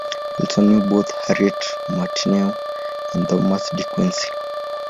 Wilson knew both Harriet Martineau and Thomas De Quincey.